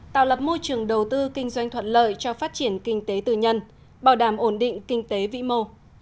tạo lập môi trường đầu tư kinh doanh thuận lợi cho phát triển kinh tế tư nhân bảo đảm ổn định kinh tế vĩ mô